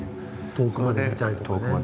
遠くまで見たいとかね。